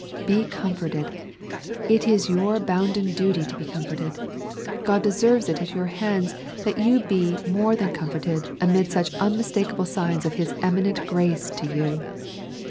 Be comforted; it is your bounden duty to be comforted. God deserves it at your hands that you be more than comforted amid such unmistakable signs of His eminent grace to you.